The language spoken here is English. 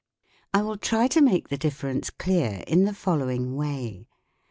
I will try to make the difference clear in the following way.